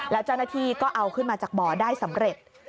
แล้วเจ้าหน้าที่ก็เอาขึ้นมาจากบ่อได้สำเร็จ